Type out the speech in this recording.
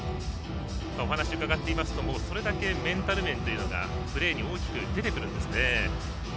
お話を伺っていますとそれだけメンタル面というのがプレーに大きく出てくるんですね。